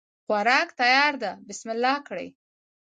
خوراک تیار ده بسم الله کړی